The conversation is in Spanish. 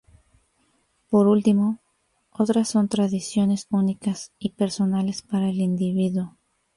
Por último, otras son tradiciones únicas y personales para el individuo.